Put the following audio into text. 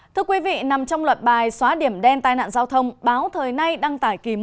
thưa quý vị nằm trong loạt bài xóa điểm đen tai nạn giao thông